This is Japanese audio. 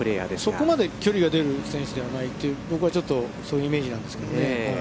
そこまで距離が出る選手ではないって、僕はちょっとそういうイメージなんですけどね。